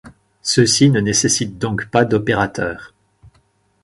Ceux-ci ne nécessitent donc pas d'opérateur.